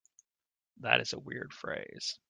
That is a weird phrase.